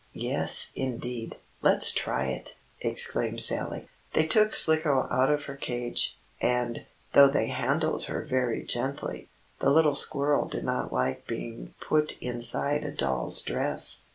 "Yes, indeed! Let's try it!" exclaimed Sallie. They took Slicko out of her cage, and, though they handled her very gently, the little squirrel did not like being put inside a doll's dress.